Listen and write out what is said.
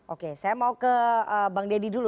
oke saya mau ke bang deddy dulu